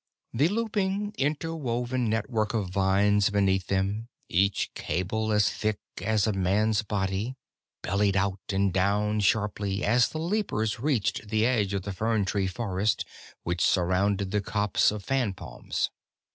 The looping, interwoven network of vines beneath them, each cable as thick through as a man's body, bellied out and down sharply as the leapers reached the edge of the fern tree forest which surrounded the copse of fan palms.